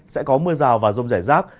sẽ có mưa rào và rông rải rác